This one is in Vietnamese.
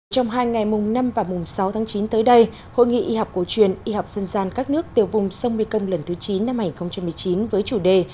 trong hai ngày mùng năm và mùng sáu tháng chín tới đây hội nghị y học cổ truyền y học dân gian các nước tiêu vùng sông mekong lần thứ chín năm hai nghìn một mươi chín với chủ đề